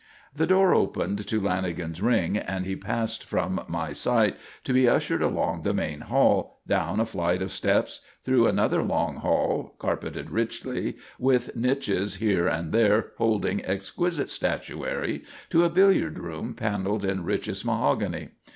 The door opened to Lanagan's ring, and he passed from my sight to be ushered along the main hall, down a flight of steps, through another long hall, carpeted richly, with niches here and there holding exquisite statuary, to a billiard room panelled in richest mahogany.